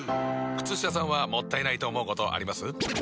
靴下さんはもったいないと思うことあります？